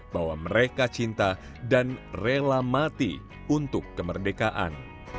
bahwa mereka cinta dan rela mati untuk kemerdekaan